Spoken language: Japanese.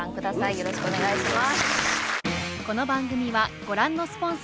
よろしくお願いします。